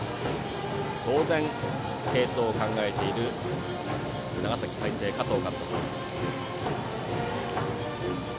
当然、継投を考えている長崎・海星の加藤監督。